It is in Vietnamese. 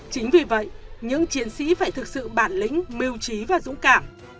chính vì vậy những chiến sĩ phải thực sự bản lĩnh mưu trí và dũng cảm